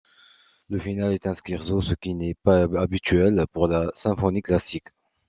Le finale est un scherzo ce qui n’est pas habituel pour la symphonie classique.